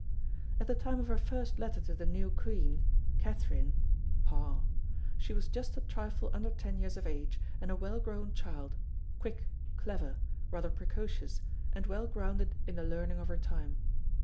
At the time of her first letter to the new Queen, Catherine (Parr), she was just a trifle under ten years of age and a well grown child, quick, clever, rather precocious, and well grounded in the learning of her time.